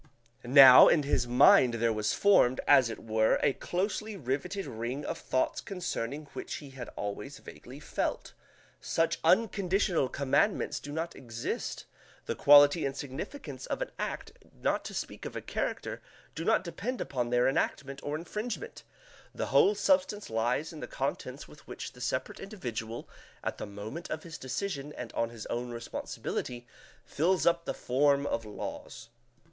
Now, in his mind there was formed, as it were, a closely riveted ring of thoughts concerning which he had always vaguely felt: such unconditional commandments do not exist; the quality and significance of an act, not to speak of a character, do not depend upon their enactment or infringement; the whole substance lies in the contents with which the separate individual, at the moment of his decision and on his own responsibility, fills up the form of these laws."